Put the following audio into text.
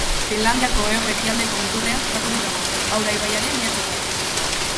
Finlandiako hego-ekialdeko muturrean kokaturik dago, Aura ibaiaren bi ertzetan.